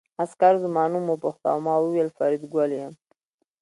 عسکر زما نوم وپوښت او ما وویل فریدګل یم